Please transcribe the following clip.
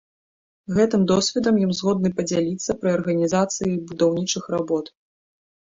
Гэтым досведам ён згодны падзяліцца пры арганізацыі будаўнічых работ.